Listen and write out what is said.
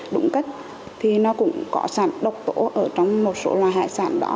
đúng cách thì nó cũng có sản độc tổ ở trong một số loại hải sản đó